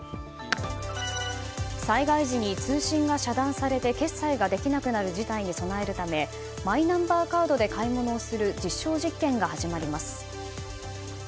災害時に通信が遮断されて決済ができなくなる事態に備えるためマイナンバーカードで買い物をする実証実験が始まります。